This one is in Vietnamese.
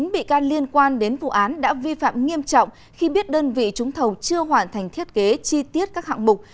một mươi bị can liên quan đến vụ án đã vi phạm nghiêm trọng khi biết đơn vị trúng thầu chưa hoàn thành thiết kế chi tiết các hạng mục